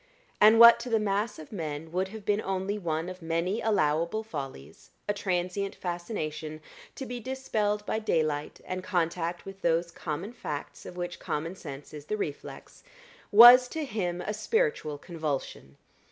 And what to the mass of men would have been only one of many allowable follies a transient fascination, to be dispelled by daylight and contact with those common facts of which common sense is the reflex was to him a spiritual convulsion.